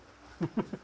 フフフ。